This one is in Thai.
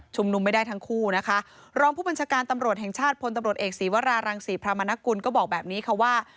นุมไม่ได้ทั้งคู่นะคะรองผู้บัญชาการตำรวจแห่งชาติพลตำรวจเอกศีวรารังศรีพระมนกุลก็บอกแบบนี้ค่ะว่า